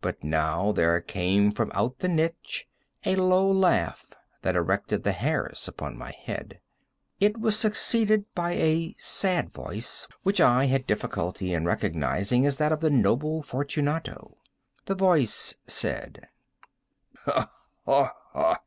But now there came from out the niche a low laugh that erected the hairs upon my head. It was succeeded by a sad voice, which I had difficulty in recognising as that of the noble Fortunato. The voice said— "Ha! ha! ha!